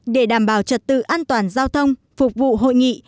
để đảm bảo trật tự an toàn giao thông phục vụ hội nghị